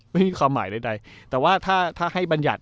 ไม่มีความหมายใดแต่ว่าถ้าให้บรรยัติ